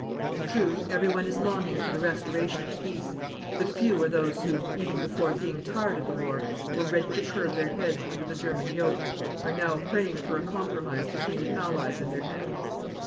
True every one is longing for the restoration of peace. But few are those who, even before being tired of the war, were ready to curb their heads under the German yoke, are now praying for a compromise between the Allies and their enemies.